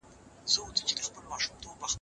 موږ به يوه خوشحاله او ممتازه ټولنه رامنځته کړو.